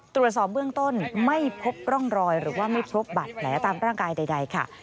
ตรวจสอบเบื้องต้นไม่พบร่องรอยหรือว่าไม่พบบัตรแผลตามร่างกายใดค่ะ